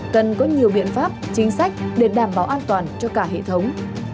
cần có nhiều biện pháp chính sách để đảm bảo an toàn cho cả hệ thống